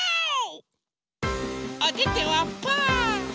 おててはパー。